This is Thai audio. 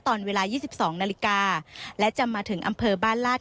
ตอนเวลา๒๒นาฬิกาและจะมาถึงอำเภอบ้านลาด